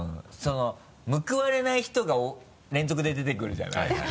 その報われない人が連続で出てくるじゃない。